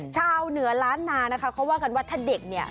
ชาวเหนือล้านนานะคะเขาว่ากันว่าถ้าเด็กเนี่ย